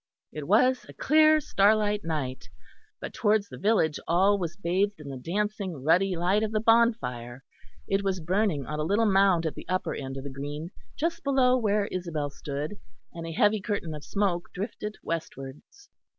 It was a clear starlight night, but towards the village all was bathed in the dancing ruddy light of the bonfire. It was burning on a little mound at the upper end of the green, just below where Isabel stood, and a heavy curtain of smoke drifted westwards.